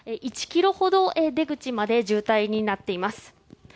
１ｋｍほど出口まで渋滞になっています。